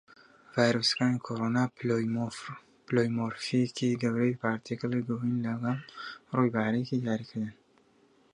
ڤایرۆسەکانی کۆڕۆنا پلۆیمۆرفیکی گەورەی پارتیکڵی گۆیین لەگەڵ ڕووی باریکی دیاریکردن.